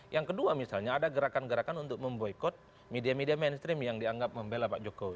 yang kedua misalnya ada gerakan gerakan untuk memboykot media media mainstream yang dianggap membela pak jokowi